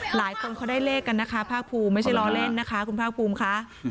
หลายคนเขาได้เลขกันนะคะภาคภูมิไม่ใช่ล้อเล่นนะคะคุณภาคภูมิค่ะ